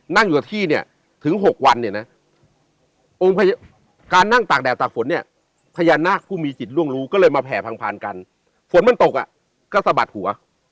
นั่งอยู่กับที่เนี่ยถึง๖วันเนี่ยนะองค์การนั่งตากแดดตากฝนเนี่ยพญานาคผู้มีจิตร่วงรู้ก็เลยมาแผ่พังพานกันฝนมันตกอ่ะก็สะบัดหัว